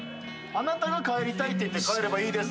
あなたが帰りたいって言って帰ればいいです。